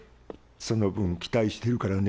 その分期待してるからね。